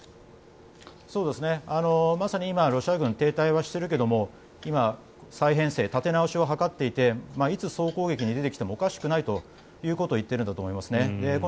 まさに今、ロシア軍停滞はしているけども今、再編成立て直しを図っていていつ総攻撃に出てきてもおかしくないということを言っているんだと思います。